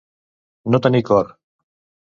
No tenir cor.